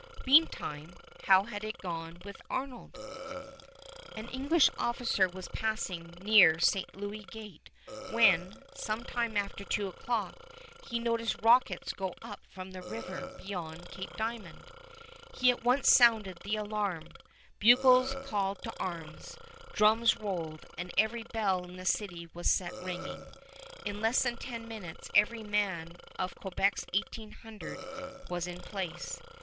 Meantime, how had it gone with Arnold? [Illustration: SIR GUY CARLETON] An English officer was passing near St. Louis Gate when, sometime after two o'clock, he noticed rockets go up from the river beyond Cape Diamond. He at once sounded the alarm. Bugles called to arms, drums rolled, and every bell in the city was set ringing. In less than ten minutes every man of Quebec's eighteen hundred was in place.